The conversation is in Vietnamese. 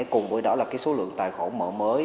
cùng với đó là cái số lượng tài khổ mở mới